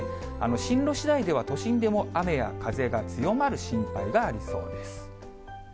進路しだいでは都心でも雨や風が強まる心配がありそうです。